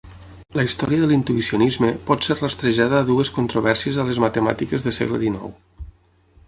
La història de l'Intuïcionisme pot ser rastrejada a dues controvèrsies a les matemàtiques de segle XIX.